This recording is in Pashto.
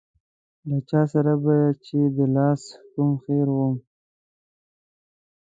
له چا سره به چې د لاس کوم خیر و.